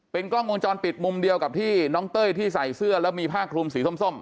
กล้องวงจรปิดมุมเดียวกับที่น้องเต้ยที่ใส่เสื้อแล้วมีผ้าคลุมสีส้ม